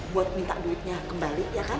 buat minta duitnya kembali ya kan